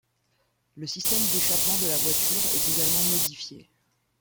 Le système d'échappement de la voiture est également modifié.